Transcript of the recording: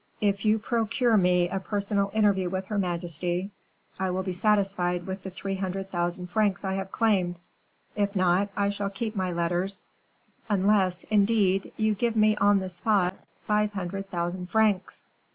If you procure me a personal interview with her majesty, I will be satisfied with the three hundred thousand francs I have claimed; if not, I shall keep my letters, unless, indeed, you give me, on the spot, five hundred thousand francs."